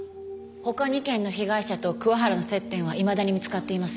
他２件の被害者と桑原の接点はいまだに見つかっていません。